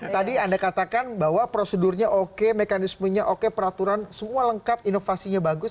tadi anda katakan bahwa prosedurnya oke mekanismenya oke peraturan semua lengkap inovasinya bagus